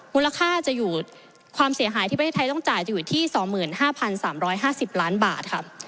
มูลค่าจะอยู่ความเสียหายที่ประเทศไทยต้องจ่ายจะอยู่ที่๒๕๓๕๐ล้านบาทค่ะ